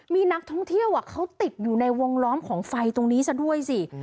มีนักท่องเที่ยวเขาติดอยู่ในวงล้อมของไฟตรงนี้ซะด้วยสิ